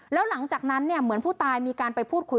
แล้วหลังจากนั้นเหมือนผู้ตายมีการไปพูดคุย